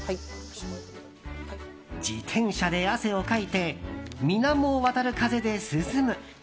自転車で汗をかいて水面を渡る風で涼む。